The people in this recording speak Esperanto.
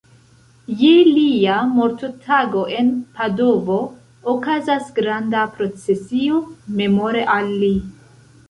Je lia mortotago en Padovo okazas granda procesio memore al li.